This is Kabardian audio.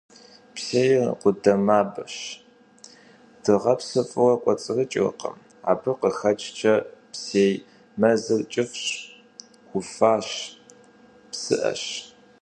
Псейр къудамэбэщ, дыгъэпсыр фӀыуэ кӀуэцӀрыкӀыркъым, абы къыхэкӀкӀэ псей мэзыр кӀыфӀщ, уфащ, псыӀэщ.